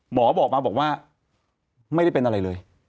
บอกมาบอกว่าไม่ได้เป็นอะไรเลย